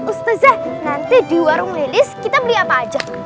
ustazah nanti di warung lilis kita beli apa aja